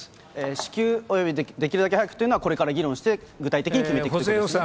至急及びできるだけ早くというのは、これから議論して、具体的に決めていくということですね。